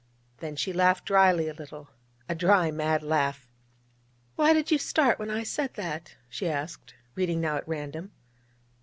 Then she laughed dryly a little a dry, mad laugh. 'Why did you start when I said that?' she asked, reading now at random.